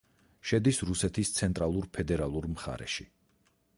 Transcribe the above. შედის რუსეთის ცენტრალურ ფედერალურ მხარეში.